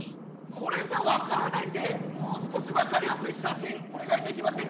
これじゃわからないんでもうすこしわかりやすいしゃしんおねがいできませんか？